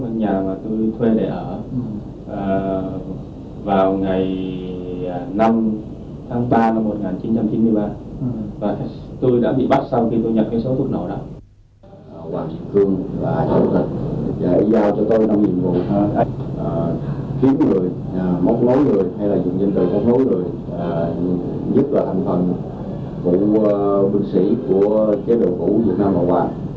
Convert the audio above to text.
nhất là thành phần của binh sĩ của kế độ củ việt nam bảo hoàng